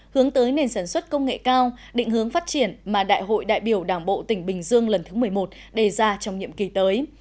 hướng tới nền sản xuất công nghệ cao định hướng phát triển mà đại hội đại biểu đảng bộ tỉnh bình dương lần thứ một mươi một đề ra trong nhiệm kỳ tới